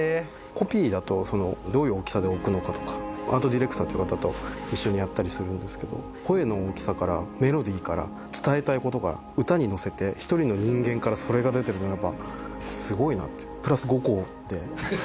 コピーだとどういう大きさで置くのかとかアートディレクターっていう方と一緒にやったりするんですけど声の大きさからメロディーから伝えたいことから歌に乗せて１人の人間からそれが出てるのってやっぱすごいなってプラス後光って。